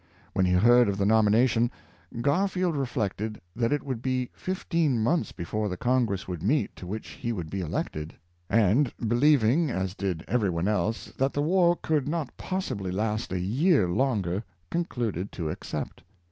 When he heard of the nomination Garfield reflected that it would be fifteen months before the Congress would meet to which he would be elected, and believing; as did every one else, that the war could not possibly last a year lon ger, concluded to accept.